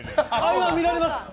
今、見られます。